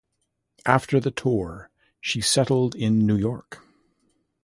After the tour, she settled in New York.